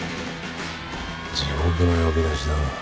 地獄の呼び出しだな。